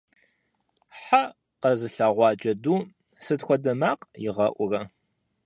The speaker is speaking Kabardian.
Хьэ къэзылъэгъуа джэдум сыт хуэдэ макъ игъэӀурэ?